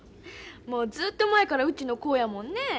もうずっと前からうちの子やもんね。